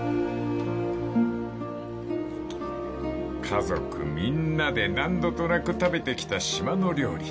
［家族みんなで何度となく食べてきた島の料理］